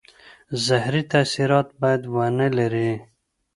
زهري تاثیرات باید ونه لري.